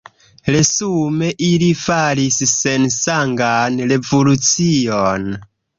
Resume ili faris sensangan revolucion.